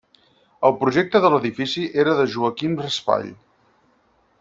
El projecte de l'edifici era de Joaquim Raspall.